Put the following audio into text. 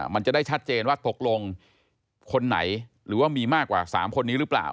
มันจะได้ชัดเจนว่าตกลงคนไหนหรือว่ามีมากกว่า๓คนนี้หรือเปล่า